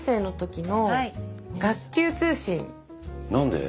何で？